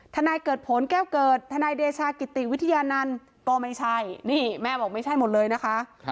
นายเกิดผลแก้วเกิดทนายเดชากิติวิทยานันต์ก็ไม่ใช่นี่แม่บอกไม่ใช่หมดเลยนะคะ